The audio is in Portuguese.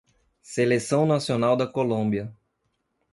Seleção Nacional da Colômbia.